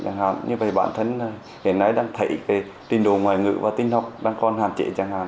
như vậy bản thân hiện nay đang thấy tình đồ ngoài ngữ và tình học đang còn hạn chế chẳng hạn